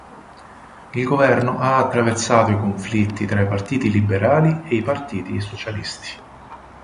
Il governo ha attraversato i conflitti tra i partiti liberali e i partiti socialisti.